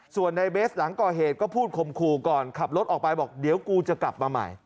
ส่วนในเบสหลังก่อเหตุก็พูดคมคู่ก่อนขับรถออกไปบอกเดี๋ยวกูจะกลับมาใหม่